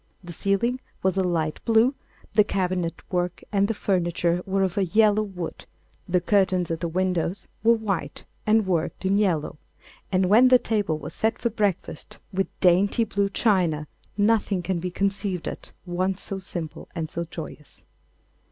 The ceiling was a light blue, the cabinet work and the furniture were of a yellow wood, the curtains at the windows were white and worked in yellow, and when the table was set for breakfast with dainty blue china nothing can be conceived at once so simple and so joyous.